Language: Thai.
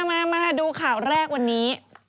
มาดูข่าวแรกวันนี้